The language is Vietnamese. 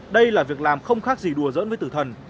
đây là việc làm không khác gì đùa dẫn với tử thần